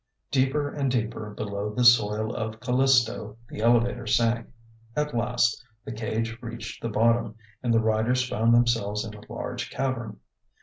Deeper and deeper below the soil of Callisto the elevator sank. At last the cage reached the bottom, and the riders found themselves in a large cavern.